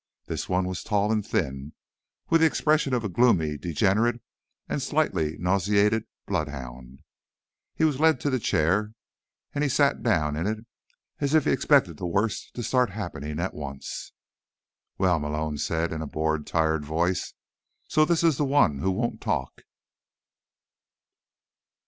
This one was tall and thin, with the expression of a gloomy, degenerate and slightly nauseated bloodhound. He was led to the chair and he sat down in it as if he expected the worst to start happening at once. "Well," Malone said in a bored, tired voice. "So this is the one who won't talk."